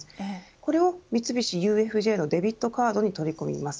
これを三菱ＵＦＪのデビットカードに取り込みます。